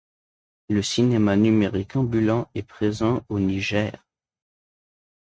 Le cinéma numérique ambulant est présent au Niger.